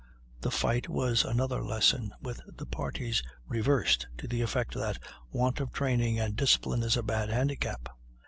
The fight was another lesson, with the parties reversed, to the effect that want of training and discipline is a bad handicap.